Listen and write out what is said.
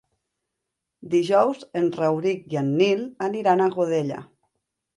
Dijous en Rauric i en Nil aniran a Godella.